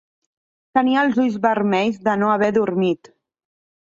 Tenia els ulls vermells de no haver dormit.